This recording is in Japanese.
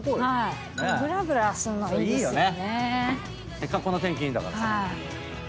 せっかくこんな天気いいんだからさ。